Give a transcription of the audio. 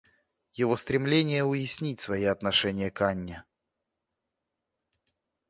Его стремление уяснить свои отношения к Анне.